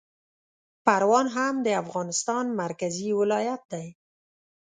پروان هم د افغانستان مرکزي ولایت دی